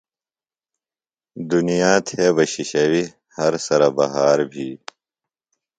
دُنیا تھےۡ بہ شِشویۡ، ہر سرہ بہار بھی